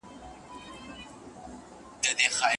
نفقه د ميرمنې د کوم محبوسیت په سبب واجبه سوې ده؟